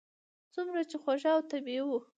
څومره چې خوږ او طبیعي و.